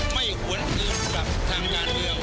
ไม่หวนอื่นสำหรับทางงานเดียว